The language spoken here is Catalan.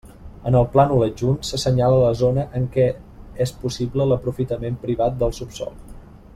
En el plànol adjunt s'assenyala la zona en què és possible l'aprofitament privat del subsòl.